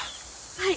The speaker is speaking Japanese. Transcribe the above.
はい。